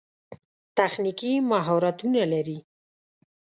تخنیکي مهارتونه لري.